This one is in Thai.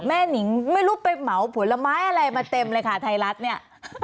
หนิงไม่รู้ไปเหมาผลไม้อะไรมาเต็มเลยค่ะไทยรัฐเนี่ย